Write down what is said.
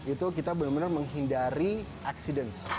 itu kita benar benar menghindari accidence